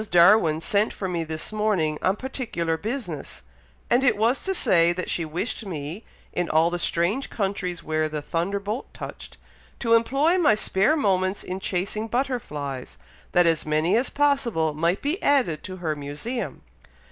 Darwin sent for me this morning on particular business; and it was to say that she wished me, in all the strange countries where the Thunderbolt touched, to employ my spare moments in chasing butterflies, that as many as possible might be added to her museum."